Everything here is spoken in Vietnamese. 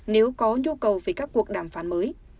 nếu có nhu cầu về các cuộc đàm phán mới